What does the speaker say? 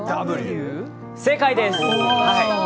正解です。